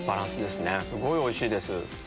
すごいおいしいです。